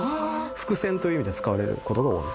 伏線っていう意味で使われることが多い。